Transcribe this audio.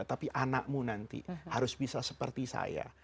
tapi anakmu nanti harus bisa seperti saya